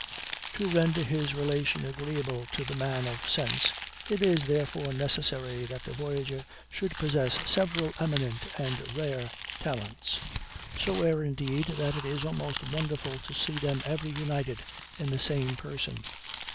To render his relation agreeable to the man of sense, it is therefore necessary that the voyager should possess several eminent and rare talents; so rare indeed, that it is almost wonderful to see them ever united in the same person.